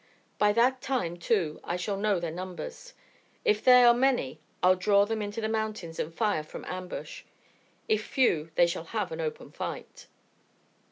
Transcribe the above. "By that time, too, I shall know their numbers. If they are many I'll draw them into the mountains and fire from ambush. If few, they shall have open fight."